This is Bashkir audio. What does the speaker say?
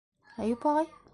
Әйүп ағай?